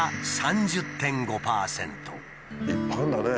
いっぱいあるんだね。